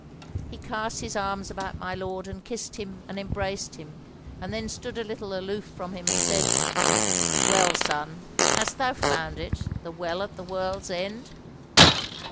He cast his arms about my lord, and kissed him and embraced him, and then stood a little aloof from him and said: 'Well, son, hast thou found it, the Well at the World's End?'